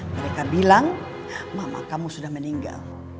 mereka bilang mama kamu sudah meninggal